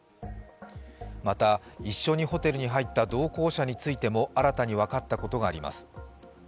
また一緒にホテルに入った同行者についても新たに分かったことがあります。